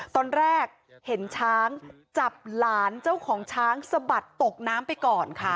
ตอนแรกเห็นช้างจับหลานเจ้าของช้างสะบัดตกน้ำไปก่อนค่ะ